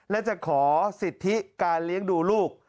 และจะขอสิทธิการเลี้ยงดูลูก